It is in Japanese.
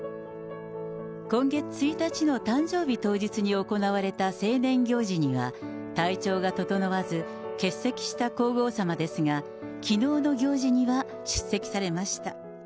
今月１日の誕生日当日に行われた成年行事には、体調が整わず、欠席した皇后さまですが、きのうの行事には出席されました。